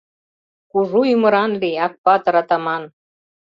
Кужу ӱмыран лий, Акпатыр-атаман!